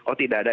oh tidak ada